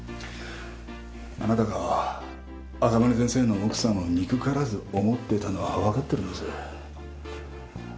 あなたが赤羽先生の奥さまを憎からず思っていたのは分かってるんです。